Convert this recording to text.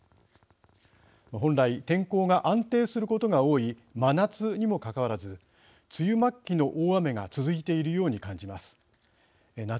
本来、天候が安定することが多い真夏にもかかわらず梅雨末期の大雨が続いているように感じます。